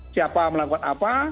siapa melakukan apa